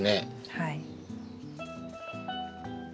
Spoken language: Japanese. はい。